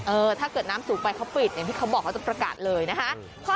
ถ้าเกิดน้ำสูงไปเขาปิดอย่างที่เขาบอกเขาจะประกาศเลยนะคะ